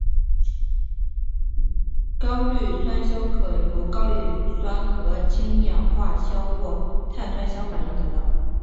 高氯酸镍可由高氯酸和氢氧化镍或碳酸镍反应得到。